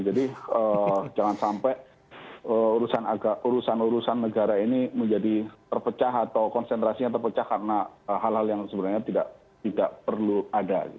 jadi jangan sampai urusan urusan negara ini menjadi terpecah atau konsentrasinya terpecah karena hal hal yang sebenarnya tidak perlu ada